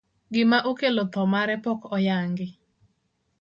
Gima okelo tho mare pok oyangi.